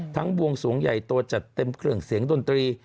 ทั้งวงส่วนใหญ่โตจัดเต็มเกลืองเสียงดนตรี